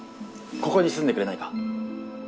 ここに住んでくれないか？